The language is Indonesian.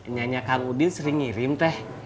nyanyi kang udin sering ngirim teh